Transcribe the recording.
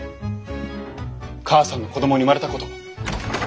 母さんの子供に生まれたこと。